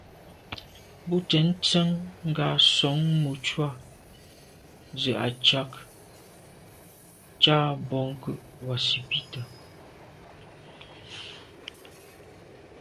Bú tɛ̌n tsjə́ŋ ŋgà sɔ̀ŋ mùcúà zə̄ à'cák câk bwɔ́ŋkə́ʼ wàsìbítà.